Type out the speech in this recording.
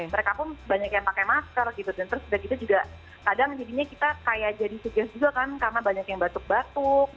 mereka pun banyak yang pakai masker gitu dan terus udah gitu juga kadang jadinya kita kayak jadi seges juga kan karena banyak yang batuk batuk